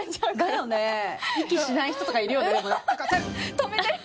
止めてる！